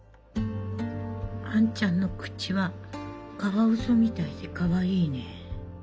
あんちゃんの口はカワウソみたいでかわいいね。